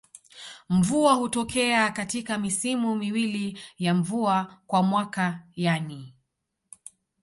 Mvua hutokea katika misimu miwili ya mvua kwa mwaka yani